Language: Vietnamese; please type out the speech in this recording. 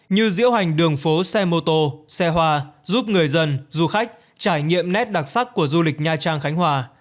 như diễu hành đường phố xe mô tô xe hoa giúp người dân du khách trải nghiệm nét đặc sắc của du lịch nha trang khánh hòa